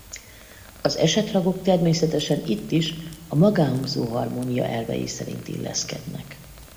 Az esetragok természetesen itt is a magánhangzó harmónia elvei szerint illeszkednek.